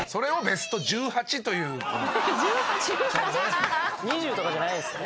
１８？２０とかじゃないんですね。